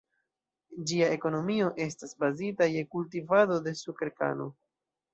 Ĝia ekonomio estas bazita je kultivado de sukerkano.